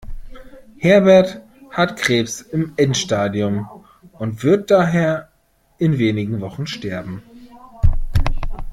Herbert hat Krebs im Endstadium und wird daher in wenigen Wochen sterben.